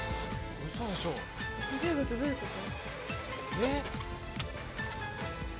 どういうこと？